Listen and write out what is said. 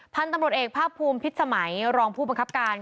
พันธุ์ตำรวจเอกภาคภูมิพิษสมัยรองผู้บังคับการ